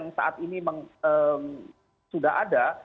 yang saat ini sudah ada